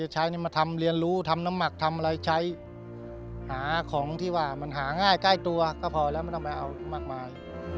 ใช้มาทำเรียนรู้ทำน้ำหมักทำอะไรใช้หาของที่ว่ามันหาง่ายใกล้ตัวก็พอแล้วไม่ต้องไปเอามากมาย